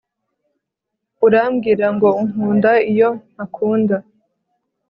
urambwira ngo unkunda iyo ntakunda